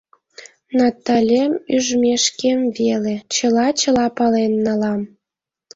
Наталем ӱжмешкем веле — чыла-чыла пален налам.